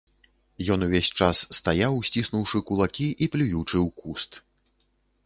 Ён увесь час стаяў, сціснуўшы кулакі і плюючы ў куст.